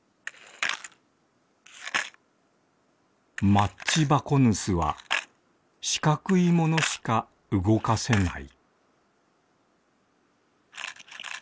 マッチバコヌスはしかくいものしかうごかせない